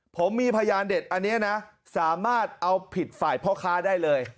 ผมมีพยานเด็ดอันนี้นะสามารถเอาผิดฝ่ายพ่อค้าได้เลย